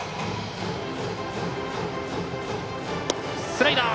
スライダー。